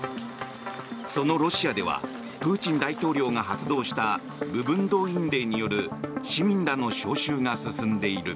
そのロシアではプーチン大統領が発動した部分動員令による市民らの招集が進んでいる。